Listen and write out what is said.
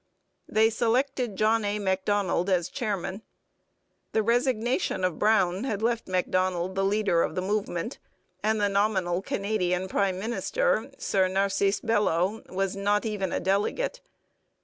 They selected John A. Macdonald as chairman. The resignation of Brown had left Macdonald the leader of the movement, and the nominal Canadian prime minister, Sir Narcisse Belleau, was not even a delegate.